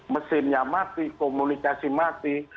mesinnya mati komunikasi mati